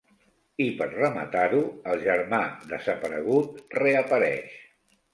I per rematar-ho el germà desaparegut reapareix.